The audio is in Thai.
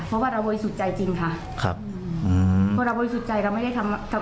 เพราะว่าระโวยสุดใจจริงค่ะครับอืมเพราะว่าระโวยสุดใจเราไม่ได้ทำ